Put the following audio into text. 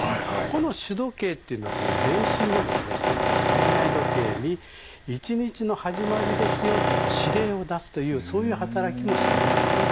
この主時計というのは全身のこういった体内時計に一日の始まりですよって司令を出すというそういう働きもしてるんですね。